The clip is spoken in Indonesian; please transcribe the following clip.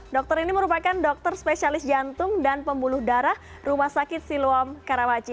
dokter ini merupakan dokter spesialis jantung dan pembuluh darah rumah sakit siloam karawaci